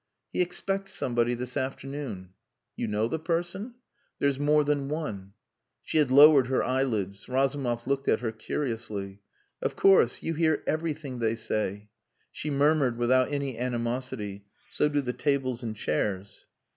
"He expects somebody this afternoon." "You know the person?" "There's more than one." She had lowered her eyelids. Razumov looked at her curiously. "Of course. You hear everything they say." She murmured without any animosity "So do the tables and chairs."